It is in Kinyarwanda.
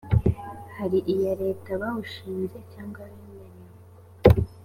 hari iya leta bawushinze cyangwa bemerewe